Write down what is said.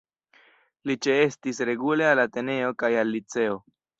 Li ĉeestis regule al Ateneo kaj al Liceo.